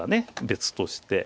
別として。